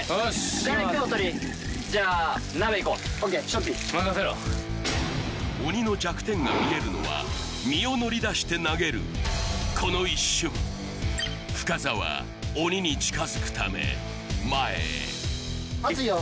しょっぴー鬼の弱点が見えるのは身を乗り出して投げるこの一瞬深澤鬼に近づくため前へ熱いよ